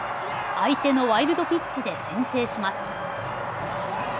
相手のワイルドピッチで先制します。